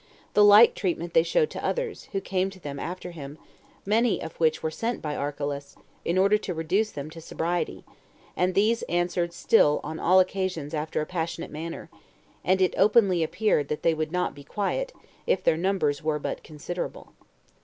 The like treatment they showed to others, who came to them after him, many of which were sent by Archelaus, in order to reduce them to sobriety, and these answered still on all occasions after a passionate manner; and it openly appeared that they would not be quiet, if their numbers were but considerable.